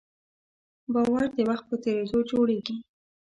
باور د وخت په تېرېدو جوړېږي.